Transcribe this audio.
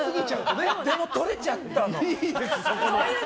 でも、とれちゃったの。